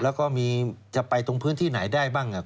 แล้วก็มีจะไปตรงพื้นที่ไหนได้บ้าง